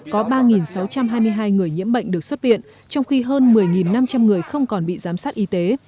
có ba sáu trăm hai mươi hai người nhiễm bệnh được xuất viện trong khi hơn một mươi năm trăm linh người không còn bị giám sát y tế